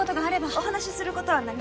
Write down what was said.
お話しすることは何も。